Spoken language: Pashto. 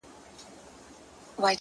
ستا وه څادرته ضروت لرمه ـ